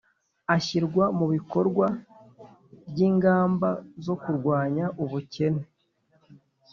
ishyirwa mu bikorwa ry'lngamba zo kurwanya ubukene